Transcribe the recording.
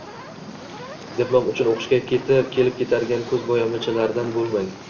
Diplom uchun oʻqishga kelib-ketadigan koʻzboʻyamachilardan boʻlmang.